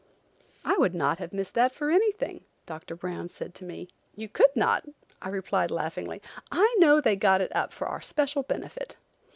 "I would not have missed that for anything," Doctor Brown said to me. "You could not," I replied laughingly, "I know they got it up for our special benefit."